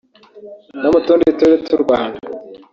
no mu tundi turere tw’u Rwanda